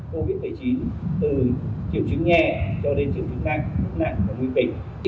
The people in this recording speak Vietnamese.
từ triệu chứng nhẹ cho đến triệu chứng nặng nặng của nguyên bệnh